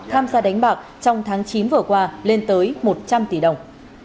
tham gia đánh bạc trong tháng chín vừa qua lên tới một trăm linh tỷ đồng